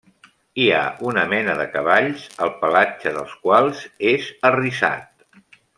Hi ha una mena de cavalls el pelatge dels quals és arrissat.